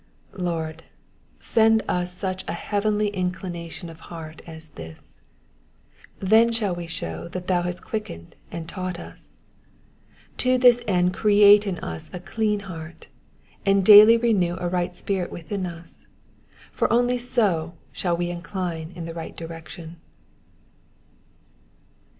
Lord, send us such a heavenly inclination of heart as this : then shall we show that thou hast quickened and taught us. To this end create in us a clean heart, and daily renew a right spirit within us, for only so shall we incline in the right direction.